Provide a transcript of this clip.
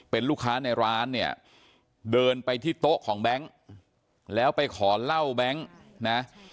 เป็นลูกค้าในร้านเนี่ยเดินไปที่โต๊ะของแบงค์แล้วไปขอเหล้าแบงค์นะ